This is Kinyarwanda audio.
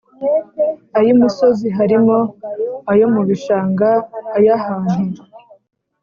Ay imusozi harimo ayo mu bishanga ay ahantu